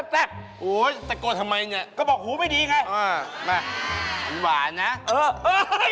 ปะตี้เขาสนิทกับเขาเหรอ